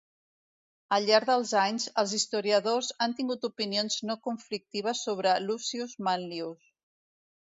Al llar dels anys, els historiadors han tingut opinions no conflictives sobre Lucius Manlius.